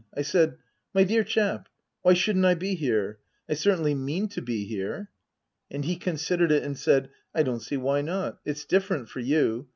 I said, " My dear chap, why shouldn't I be here ? I certainly mean to be here." And he considered it and said, " I don't see why not. It's different for you.